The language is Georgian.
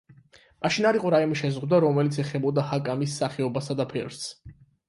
მაშინ არ იყო რაიმე შეზღუდვა, რომელიც ეხებოდა ჰაკამის სახეობასა თუ ფერს.